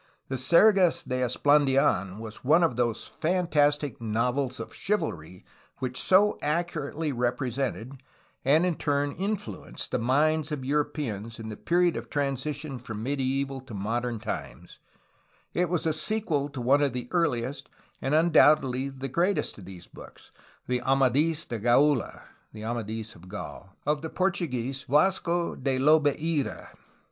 The Sergas de Esplandidn was one of those fantastic novels of chivalry which so accurately represented, and in turn in ORIGIN AND APPLICATION OF THE NAME CALIFORNIA 57 fluenced, the minds of Europeans in the period of transition from medieval to modern times. It was a sequel to one of the earliest and undoubtedly the greatest of these books, the Amadis de Gaula (Amadls of Gaul) of the Portuguese Vasco de Lobeira.